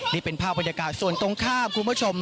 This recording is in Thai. นี่เป็นภาพบรรยากาศส่วนตรงข้ามคุณผู้ชม